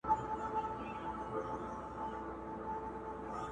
چي یې بیا دی را ایستلی د ګور مړی!.